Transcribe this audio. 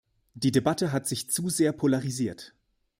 Die Debatte hatte sich zu sehr polarisiert.